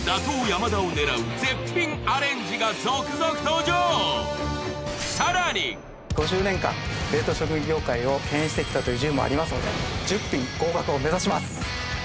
山田を狙う絶品アレンジが続々登場５０年間冷凍食品業界を牽引してきたという自負もありますので１０品合格を目指します